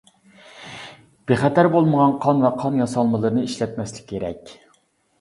بىخەتەر بولمىغان قان ۋە قان ياسالمىلىرىنى ئىشلەتمەسلىك كېرەك.